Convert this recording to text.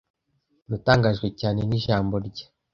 Natangajwe cyane nijambo rye.